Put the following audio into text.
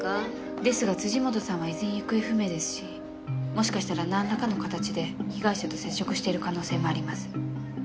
ですが本さんは依然行方不明ですしもしかしたらなんらかの形で被害者と接触している可能性もあります。